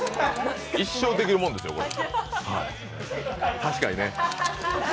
一生できるもんですよ、これ。